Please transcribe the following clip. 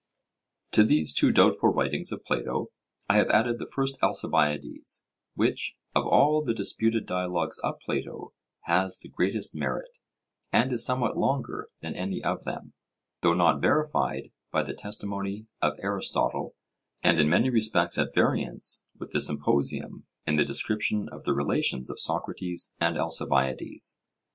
To these two doubtful writings of Plato I have added the First Alcibiades, which, of all the disputed dialogues of Plato, has the greatest merit, and is somewhat longer than any of them, though not verified by the testimony of Aristotle, and in many respects at variance with the Symposium in the description of the relations of Socrates and Alcibiades.